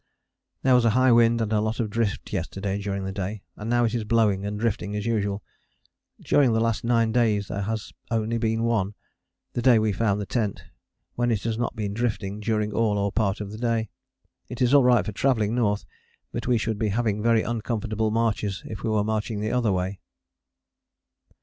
There was a high wind and a lot of drift yesterday during the day, and now it is blowing and drifting as usual. During the last nine days there has only been one, the day we found the tent, when it has not been drifting during all or part of the day. It is all right for travelling north, but we should be having very uncomfortable marches if we were marching the other way.